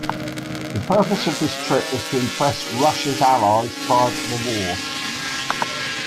The purpose of this trip was to impress Russia's allies prior to the war.